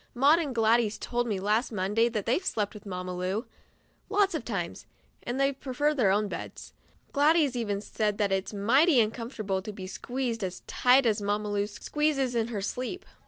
Maud and Gladys told me last Monday that they've slept with Mamma Lu lots of times, and that they prefer their own beds. Gladys even said that it's mighty uncomfortable to be squeezed as tight as Mamma Lu squeezes in her sleep.